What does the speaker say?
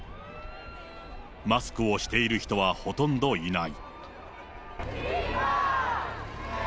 マスクをしている人はほとんどいない。